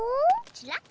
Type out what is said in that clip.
ちらっ。